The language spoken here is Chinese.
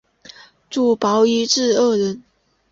主薄一至二人。